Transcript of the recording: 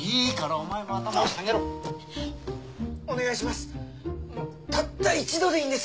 お願いします。